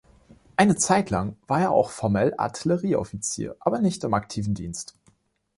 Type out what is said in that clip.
Eine Zeitlang war er auch formell Artillerieoffizier, aber nicht im aktiven Dienst.